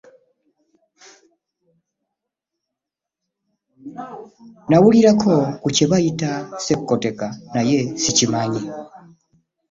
Nawulirako ku kye bayita ssekkoteka naye ssikimanyi.